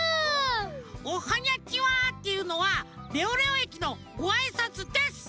「おはにゃちは！」っていうのはレオレオ駅のごあいさつです！